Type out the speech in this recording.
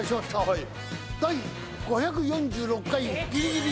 はい。